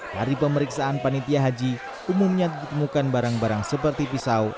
dari pemeriksaan panitia haji umumnya ditemukan barang barang seperti pisau